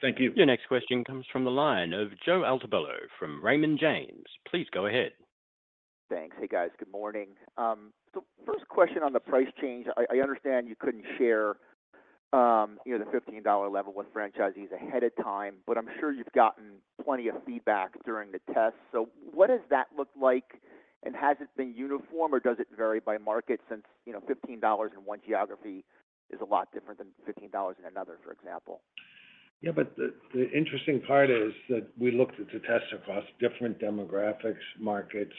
Thank you. Your next question comes from the line of Joe Altobello from Raymond James. Please go ahead. Thanks. Hey, guys. Good morning. So first question on the price change. I understand you couldn't share the $15 level with franchisees ahead of time. But I'm sure you've gotten plenty of feedback during the tests. So what does that look like? And has it been uniform, or does it vary by market since $15 in one geography is a lot different than $15 in another, for example? Yeah. But the interesting part is that we looked at the tests across different demographics, markets,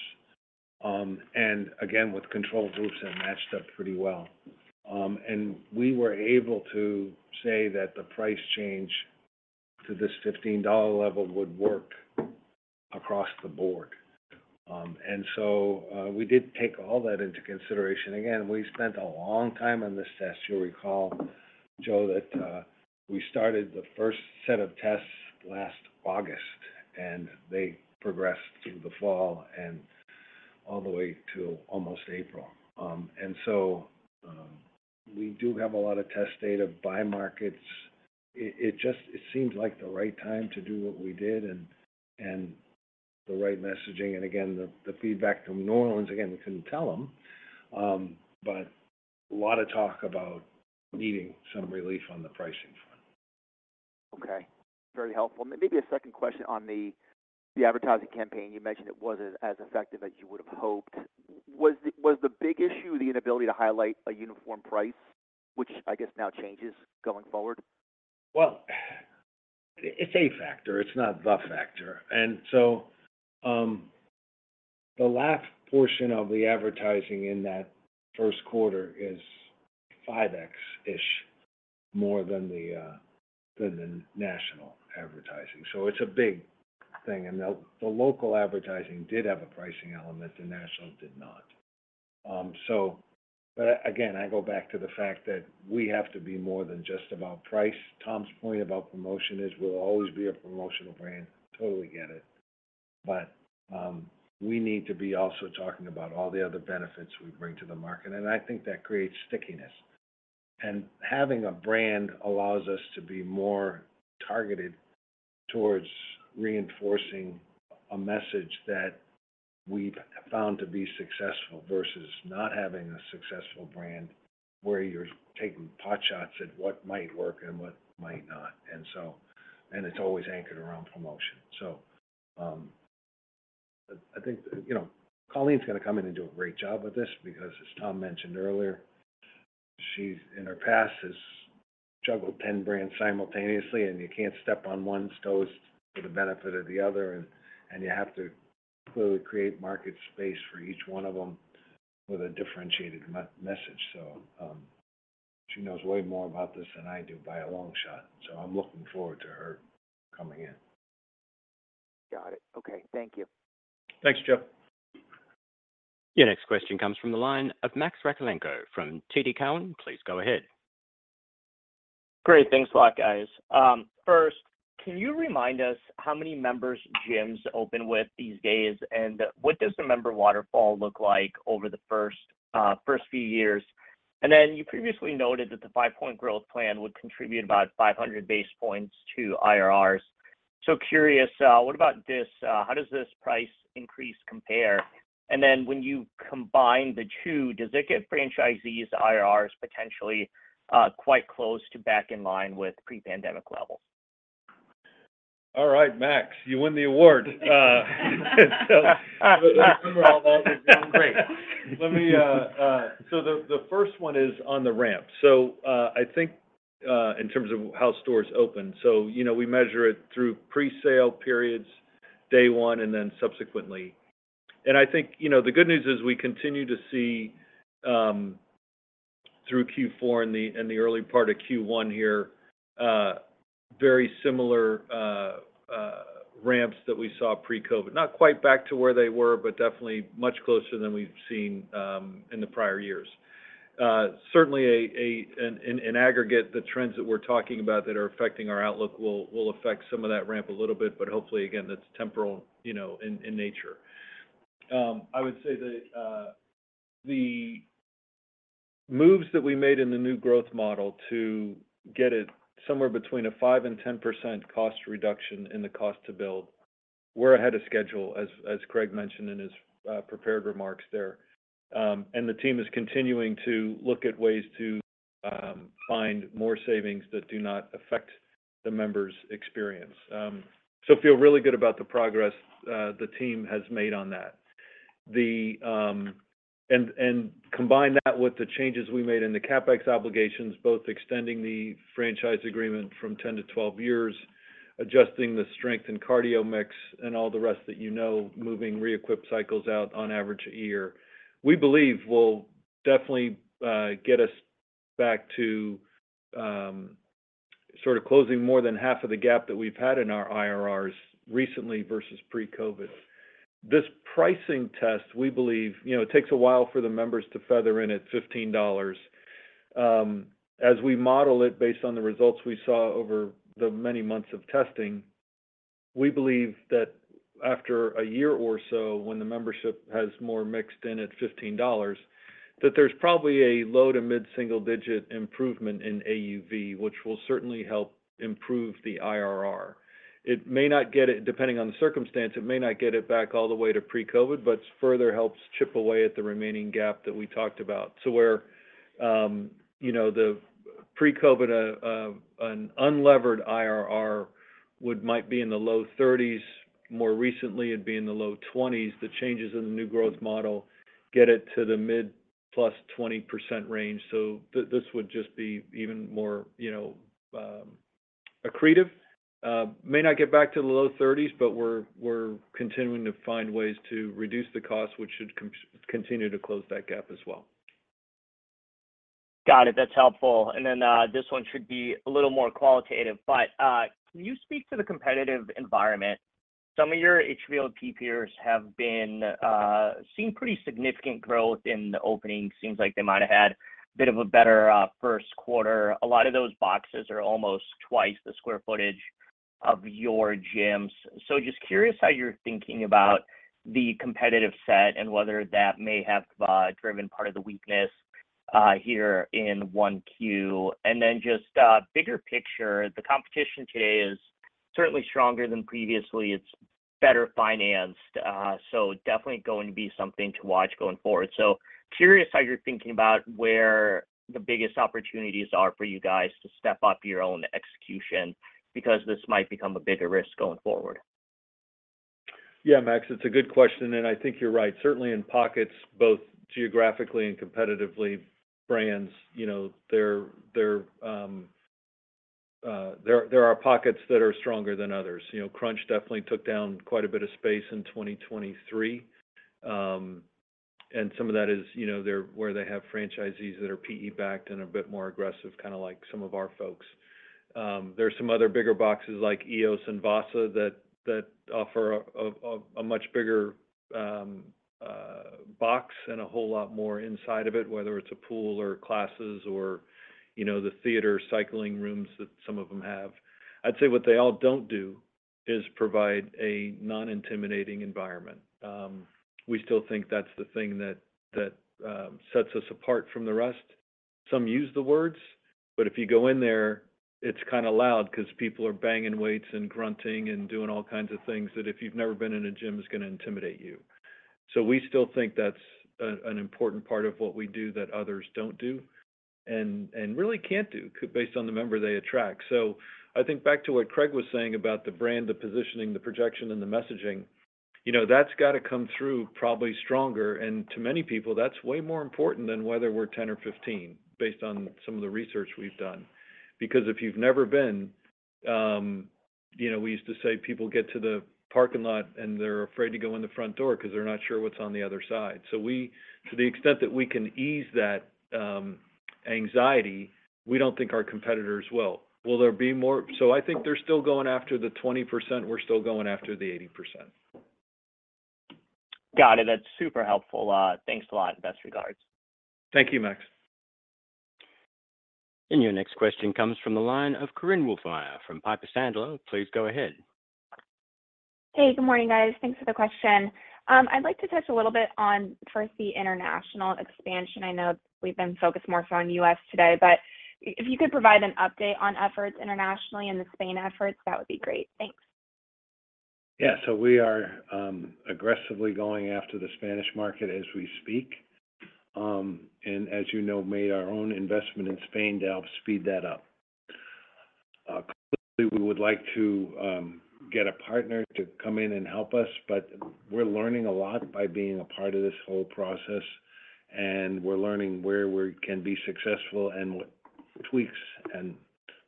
and again, with control groups that matched up pretty well. And we were able to say that the price change to this $15 level would work across the board. And so we did take all that into consideration. Again, we spent a long time on this test. You'll recall, Joe, that we started the first set of tests last August. And they progressed through the fall and all the way to almost April. And so we do have a lot of test data by markets. It seems like the right time to do what we did and the right messaging. And again, the feedback to New Orleans, again, we couldn't tell them. But a lot of talk about needing some relief on the pricing front. Okay. Very helpful. Maybe a second question on the advertising campaign. You mentioned it wasn't as effective as you would have hoped. Was the big issue the inability to highlight a uniform price, which I guess now changes going forward? Well, it's a factor. It's not the factor. And so the LAF portion of the advertising in that first quarter is 5x-ish more than the national advertising. So it's a big thing. And the local advertising did have a pricing element. The national did not. But again, I go back to the fact that we have to be more than just about price. Tom's point about promotion is we'll always be a promotional brand. Totally get it. But we need to be also talking about all the other benefits we bring to the market. And I think that creates stickiness. And having a brand allows us to be more targeted towards reinforcing a message that we found to be successful versus not having a successful brand where you're taking potshots at what might work and what might not. And it's always anchored around promotion. So I think Colleen's going to come in and do a great job with this because, as Tom mentioned earlier, she, in her past, has juggled 10 brands simultaneously. And you can't step on one's toes for the benefit of the other. And you have to clearly create market space for each one of them with a differentiated message. So she knows way more about this than I do by a long shot. So I'm looking forward to her coming in. Got it. Okay. Thank you. Thanks, Joe. Your next question comes from the line of Max Rakhlenko from TD Cowen. Please go ahead. Great. Thanks a lot, guys. First, can you remind us how many members gyms open with these days? And what does the member waterfall look like over the first few years? And then you previously noted that the five-point growth plan would contribute about 500 basis points to IRRs. So curious, what about this? How does this price increase compare? And then when you combine the two, does it get franchisees' IRRs potentially quite close to back in line with pre-pandemic levels? All right, Max. You win the award. Overall, that was great. So the first one is on the ramp. So I think in terms of how stores open, so we measure it through presale periods, day one, and then subsequently. And I think the good news is we continue to see through Q4 and the early part of Q1 here very similar ramps that we saw pre-COVID. Not quite back to where they were, but definitely much closer than we've seen in the prior years. Certainly, in aggregate, the trends that we're talking about that are affecting our outlook will affect some of that ramp a little bit. But hopefully, again, that's temporal in nature. I would say the moves that we made in the new growth model to get it somewhere between a 5% and 10% cost reduction in the cost to build, we're ahead of schedule, as Craig mentioned in his prepared remarks there. The team is continuing to look at ways to find more savings that do not affect the members' experience. So feel really good about the progress the team has made on that. Combine that with the changes we made in the CapEx obligations, both extending the franchise agreement from 10 to 12 years, adjusting the strength and cardio mix, and all the rest that you know, moving re-equip cycles out on average a year, we believe will definitely get us back to sort of closing more than half of the gap that we've had in our IRRs recently versus pre-COVID. This pricing test, we believe, it takes a while for the members to feather in at $15. As we model it based on the results we saw over the many months of testing, we believe that after a year or so, when the membership has more mixed in at $15, that there's probably a low to mid-single-digit improvement in AUV, which will certainly help improve the IRR. It may not get it depending on the circumstance, it may not get it back all the way to pre-COVID, but further helps chip away at the remaining gap that we talked about. So where the pre-COVID, an unlevered IRR might be in the low 30s, more recently it'd be in the low 20s, the changes in the new growth model get it to the mid-plus 20% range. So this would just be even more accretive. May not get back to the low 30s, but we're continuing to find ways to reduce the cost, which should continue to close that gap as well. Got it. That's helpful. And then this one should be a little more qualitative. But can you speak to the competitive environment? Some of your HVLP peers have seen pretty significant growth in the openings. Seems like they might have had a bit of a better first quarter. A lot of those boxes are almost twice the square footage of your gyms. So just curious how you're thinking about the competitive set and whether that may have driven part of the weakness here in 1Q. And then just bigger picture, the competition today is certainly stronger than previously. It's better financed. So definitely going to be something to watch going forward. So curious how you're thinking about where the biggest opportunities are for you guys to step up your own execution because this might become a bigger risk going forward? Yeah, Max. It's a good question. I think you're right. Certainly in pockets, both geographically and competitively, brands, there are pockets that are stronger than others. Crunch definitely took down quite a bit of space in 2023. Some of that is where they have franchisees that are PE-backed and a bit more aggressive, kind of like some of our folks. There's some other bigger boxes like EoS and VASA that offer a much bigger box and a whole lot more inside of it, whether it's a pool or classes or the theater cycling rooms that some of them have. I'd say what they all don't do is provide a non-intimidating environment. We still think that's the thing that sets us apart from the rest. Some use the words. But if you go in there, it's kind of loud because people are banging weights and grunting and doing all kinds of things that if you've never been in a gym, it's going to intimidate you. So we still think that's an important part of what we do that others don't do and really can't do based on the member they attract. So I think back to what Craig was saying about the brand, the positioning, the projection, and the messaging, that's got to come through probably stronger. And to many people, that's way more important than whether we're $10 or $15 based on some of the research we've done. Because if you've never been, we used to say people get to the parking lot, and they're afraid to go in the front door because they're not sure what's on the other side. So to the extent that we can ease that anxiety, we don't think our competitors will. Will there be more? So I think they're still going after the 20%. We're still going after the 80%. Got it. That's super helpful. Thanks a lot. Best regards. Thank you, Max. Your next question comes from the line of Korinne Wolfmeyer from Piper Sandler. Please go ahead. Hey. Good morning, guys. Thanks for the question. I'd like to touch a little bit on first the international expansion. I know we've been focused more so on U.S. today. But if you could provide an update on efforts internationally and the Spain efforts, that would be great. Thanks. Yeah. So we are aggressively going after the Spanish market as we speak and, as you know, made our own investment in Spain to help speed that up. We would like to get a partner to come in and help us. But we're learning a lot by being a part of this whole process. And we're learning where we can be successful and what tweaks and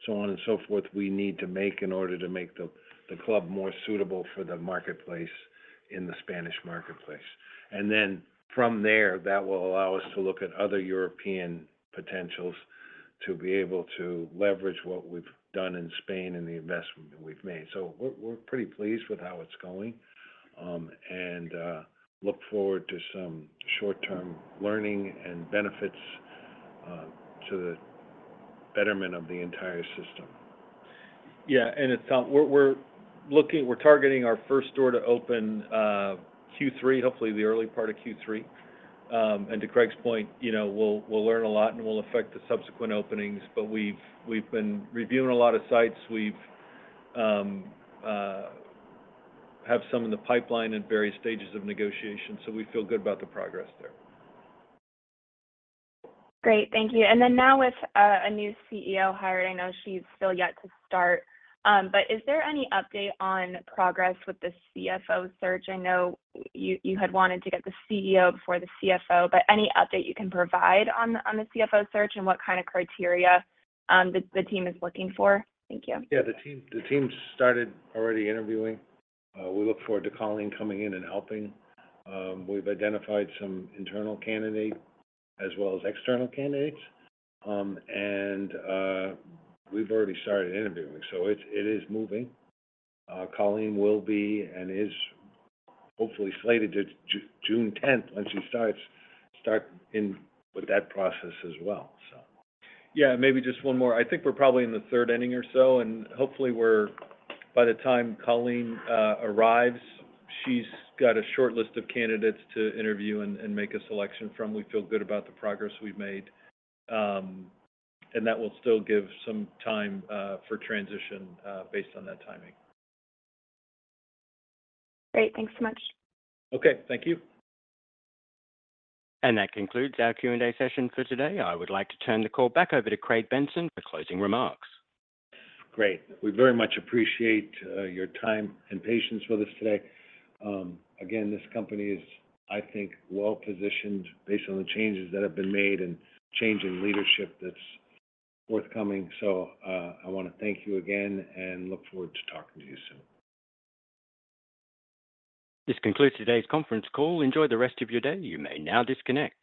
so on and so forth we need to make in order to make the club more suitable for the marketplace in the Spanish marketplace. And then from there, that will allow us to look at other European potentials to be able to leverage what we've done in Spain and the investment we've made. So we're pretty pleased with how it's going and look forward to some short-term learning and benefits to the betterment of the entire system. Yeah. We're targeting our first door to open Q3, hopefully the early part of Q3. To Craig's point, we'll learn a lot, and we'll affect the subsequent openings. We've been reviewing a lot of sites. We have some in the pipeline at various stages of negotiation. We feel good about the progress there. Great. Thank you. And then now with a new CEO hired, I know she's still yet to start. But is there any update on progress with the CFO search? I know you had wanted to get the CEO before the CFO. But any update you can provide on the CFO search and what kind of criteria the team is looking for? Thank you. Yeah. The team started already interviewing. We look forward to Colleen coming in and helping. We've identified some internal candidates as well as external candidates. We've already started interviewing. So it is moving. Colleen will be and is hopefully slated to June 10th when she starts with that process as well, so. Yeah. Maybe just one more. I think we're probably in the third inning or so. Hopefully, by the time Colleen arrives, she's got a short list of candidates to interview and make a selection from. We feel good about the progress we've made. That will still give some time for transition based on that timing. Great. Thanks so much. Okay. Thank you. That concludes our Q&A session for today. I would like to turn the call back over to Craig Benson for closing remarks. Great. We very much appreciate your time and patience with us today. Again, this company is, I think, well-positioned based on the changes that have been made and changing leadership that's forthcoming. So I want to thank you again and look forward to talking to you soon. This concludes today's conference call. Enjoy the rest of your day. You may now disconnect.